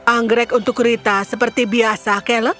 anggrek untuk rita seperti biasa kelek